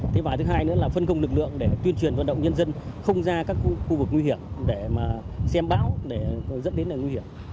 thế và thứ hai nữa là phân công lực lượng để tuyên truyền vận động nhân dân không ra các khu vực nguy hiểm để mà xem bão để dẫn đến là nguy hiểm